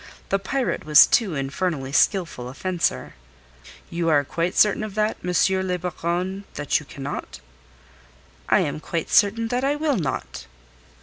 This pirate was too infernally skillful a fencer. "You are quite certain of that, M. le Baron that you cannot?" "I am quite certain that I will not."